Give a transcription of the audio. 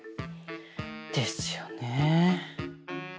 ですよね。